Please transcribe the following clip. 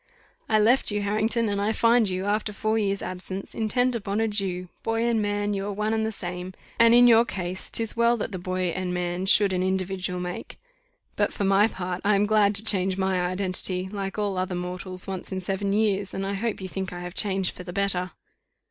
"I left you, Harrington, and I find you, after four years' absence, intent upon a Jew; boy and man you are one and the same; and in your case, 'tis well that the boy and man should an individual make; but for my part, I am glad to change my identity, like all other mortals, once in seven years; and I hope you think I have changed for the better."